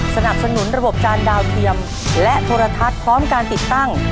สนับสนุนระบบการดาวเทียมและโทรทัศน์พร้อมการติดตั้ง